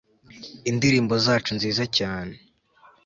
indirimbo zacu nziza cyane